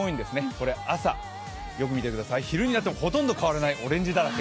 これ朝、よく見てください、昼になってもほとんど変わらない、オレンジだらけ。